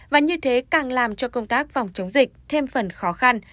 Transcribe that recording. và như thế càng làm cho công tác phòng chống dịch thêm phần khó khăn